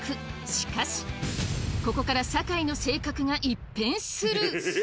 しかしここから坂井の性格が一変する